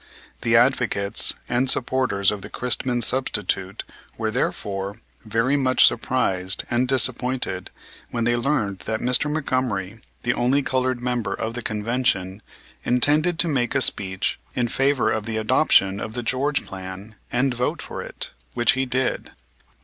The advocates and supporters of the Christman substitute were, therefore, very much surprised and disappointed when they learned that Mr. Montgomery, the only colored member of the Convention, intended to make a speech in favor of the adoption of the George plan, and vote for it; which he did.